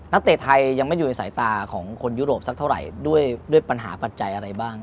เตะไทยยังไม่อยู่ในสายตาของคนยุโรปสักเท่าไหร่ด้วยปัญหาปัจจัยอะไรบ้าง